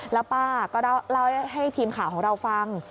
แล้วป้าก็เล่าให้ทีมข่าวของเราฟัง